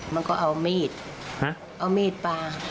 มันก็เอามีดเอามีดปลา